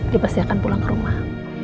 dia pasti akan pulang ke rumah